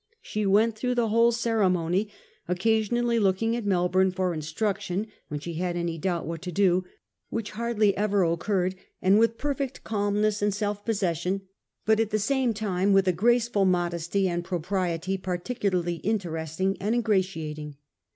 She went through the whole ceremony, occasionally looking at Melbourne for instruction when she had any doubt what to do, which hardly ever occurred, and with perfect calmness and self possession, but at the same time with a graceful modesty and propriety particu larly interesting and ingratiating.